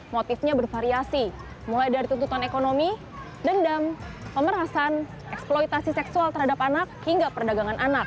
motifnya bervariasi mulai dari tuntutan ekonomi dendam pemerasan eksploitasi seksual terhadap anak hingga perdagangan anak